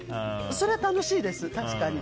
それは楽しいです、確かに。